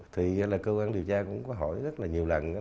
thì là cơ quan điều tra cũng có hỏi rất là nhiều lần